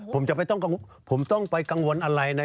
ผมจะไปต้องกังวลอะไร